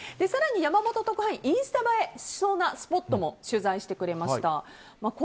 更に山本特派員インスタ映えしそうなスポットも取材してくれました。